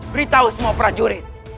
beritahu semua prajurit